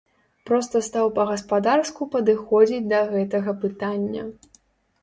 Проста стаў па-гаспадарску падыходзіць да гэтага пытання.